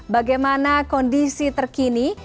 bagaimana kondisi terkini